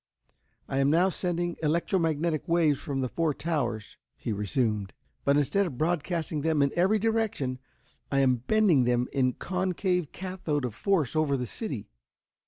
"I am now sending electro magnetic waves from the four towers," he resumed. "But instead of broadcasting them in every direction. I am bending them in concave cathode of force over the city.